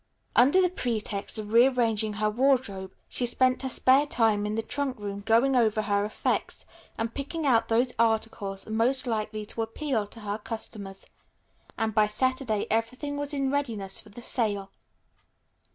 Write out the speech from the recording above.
Under the pretext of rearranging her wardrobe, she spent her spare time in the trunk room going over her effects and picking out those articles most likely to appeal to her customers, and by Saturday everything was in readiness for the sale.